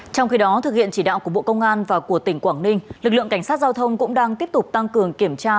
trong khi đó thực hiện chỉ đạo của bộ công an và của tỉnh quảng ninh lực lượng cảnh sát giao thông cũng đang tiếp tục tăng cường kiểm tra